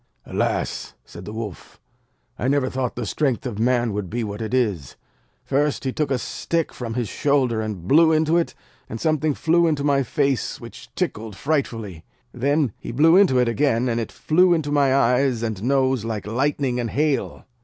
'Alas!' said the Wolf. 'I never thought the strength of man would be what it is. First, he took a stick from his shoulder, and blew into it, and something flew into my face, which tickled frightfully. Then he blew into it again, and it flew into my eyes and nose like lightning and hail.